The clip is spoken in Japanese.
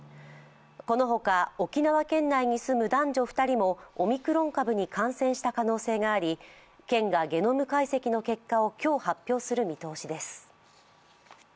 この他、沖縄県内に住む男女２人もオミクロン株に感染した可能性があり県がゲノム解析の結果を今日、発表する見通しです。